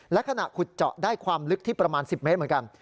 และขณะขุดเจาะได้ความลึกที่ประมาณ๑๐เมตรเหมือนกัน